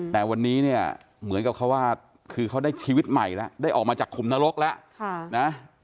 แต่วันนี้เนี่ยเหมือนกับเขาว่าคือเขาได้ชีวิตใหม่แล้วได้ออกมาจากขุมนรกแล้วนะ